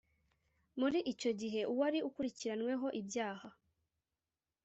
Muri icyo gihe uwari ukurikiranyweho ibyaha